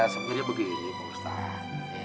sebenarnya begini pak ustadz